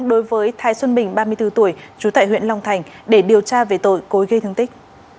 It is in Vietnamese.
đối với thái xuân bình ba mươi bốn tuổi trú tại huyện long thành để điều tra về tội cối gây thương tích